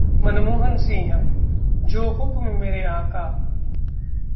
मनमोहन सिंह: जो हुक्म मेरे आका!